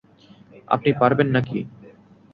আপনি পারবেন নাকি?